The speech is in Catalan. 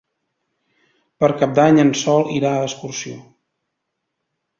Per Cap d'Any en Sol irà d'excursió.